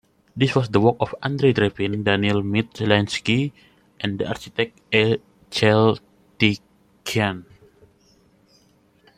This was the work of Andrei Drevin, Daniel Mitlyansky, and the architect A. Chaltykyan.